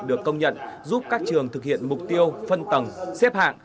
được công nhận giúp các trường thực hiện mục tiêu phân tầng xếp hạng